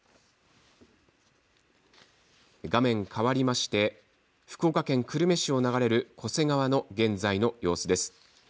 画面変わりまして福岡県久留米市を流れる巨瀬川の現在の様子です。